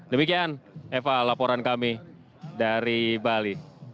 demikian eva laporan kami dari bali